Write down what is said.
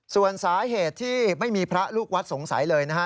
ส่วนสาเหตุที่ไม่มีพระลูกวัดสงสัยเลยนะฮะ